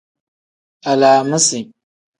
Alaamisi.